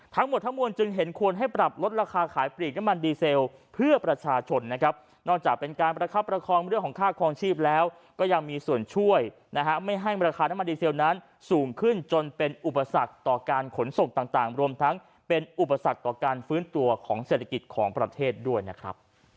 ทั้งหมดทั้งมวลจึงเห็นควรให้ปรับลดราคาขายปลีกน้ำมันดีเซลเพื่อประชาชนนะครับนอกจากเป็นการประคับประคองเรื่องของค่าคลองชีพแล้วก็ยังมีส่วนช่วยนะฮะไม่ให้ราคาน้ำมันดีเซลนั้นสูงขึ้นจนเป็นอุปสรรคต่อการขนส่งต่างรวมทั้งเป็นอุปสรรคต่อการฟื้นตัวของเศรษฐกิจของประเทศด้วยนะครับ